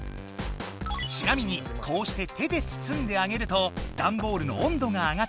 ちなみにこうして手でつつんであげるとダンボールの温度が上がってはやくかわかせるぞ！